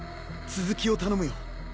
続きを頼むよ。